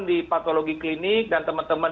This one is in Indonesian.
di patologi klinik dan teman teman